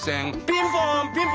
ピンポン！